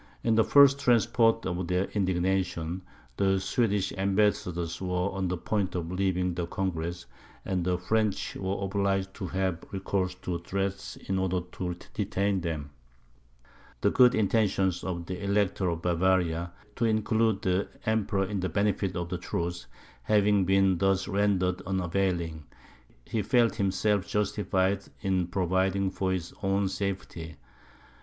In the first transports of their indignation, the Swedish ambassadors were on the point of leaving the congress, and the French were obliged to have recourse to threats in order to detain them. The good intentions of the Elector of Bavaria, to include the Emperor in the benefit of the truce, having been thus rendered unavailing, he felt himself justified in providing for his own safety.